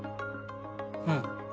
うん。